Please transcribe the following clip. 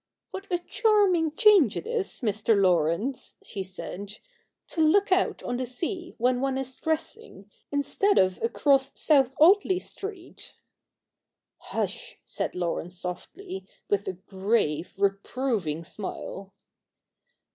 'What a charming change it is, Mr. Laurence,' she said, ' to look out on the sea when one is dressing, instead of across South Audley Street !'' Hush !' said Laurence softly, with a grave, reproving smile.